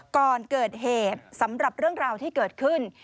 ก่อนเกิดเหตุสำหรับเรื่องราวที่เกิดขึ้น